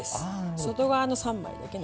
外側の３枚だけを。